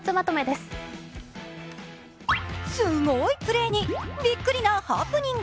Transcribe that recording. すごいプレーにびっくりなハプニング。